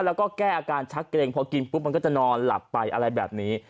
แล้วก็แก้อาการชักเกรงพอกินปุ๊บมันก็จะนอนหลับไปอะไรแบบนี้